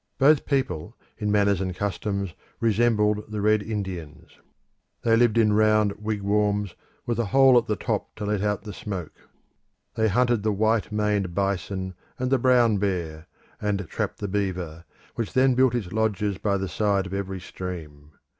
Both people, in manners and customs, resembled the Red Indians. They lived in round wigwams, with a hole at the top to let out the smoke. They hunted the white maned bison and the brown bear, and trapped the beaver, which then built its lodges by the side of every stream.